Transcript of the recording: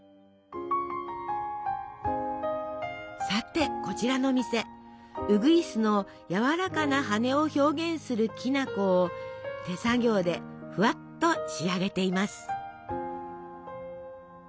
さてこちらの店うぐいすのやわらかな羽を表現するきな粉を手作業でふわっと仕上げています。